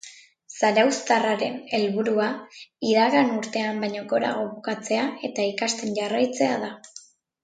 Zarauztarraren helburua iragan urtean baino gorago bukatzea eta ikasten jarraitzea da.